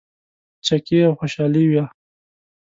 چکې او خوشحالي وه.